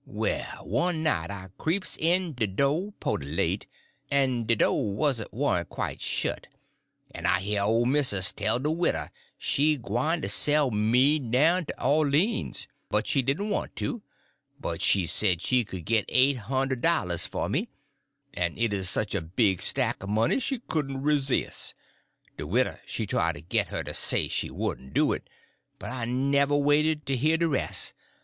Well, one night I creeps to de do' pooty late, en de do' warn't quite shet, en I hear old missus tell de widder she gwyne to sell me down to Orleans, but she didn' want to, but she could git eight hund'd dollars for me, en it 'uz sich a big stack o' money she couldn' resis'. De widder she try to git her to say she wouldn' do it, but I never waited to hear de res'.